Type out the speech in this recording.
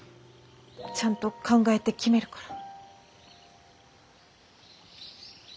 ちゃんと考えて決めるから。